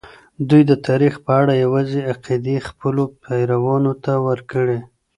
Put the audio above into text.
دوی د تاریخ په اړه یوازي عقدې خپلو پیروانو ته ورکړې.